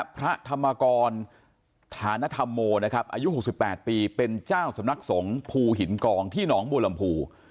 พระธรรมกรฐานธรรมโมนะครับอายุ๖๘ปีเป็นเจ้าสำนักสงฆ์ภูหินกองที่หนองบัวลำพู